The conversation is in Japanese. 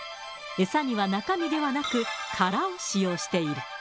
餌には中身ではなく、殻を使用している。